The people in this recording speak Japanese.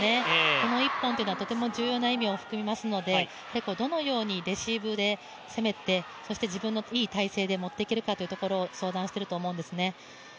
この１本というのはとても重要な意味を含みますのでどのようにレシーブで攻めて、そして自分のいい体勢で持って行けるかというところを相談していると思うんですね。